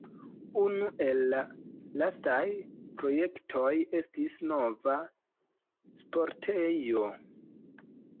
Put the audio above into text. Unu el la lastaj projektoj estis nova sportejo.